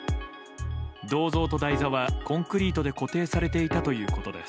銅像と台座は、コンクリートで固定されていたということです。